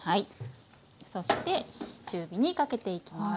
そして中火にかけていきます。